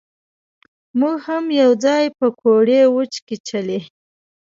مونږ هم یو ځای پکوړې وچکچلې.